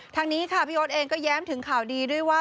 ทางนี้ค่ะพี่โอ๊ตเองก็แย้มถึงข่าวดีด้วยว่า